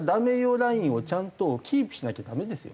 ラインをちゃんとキープしなきゃダメですよね。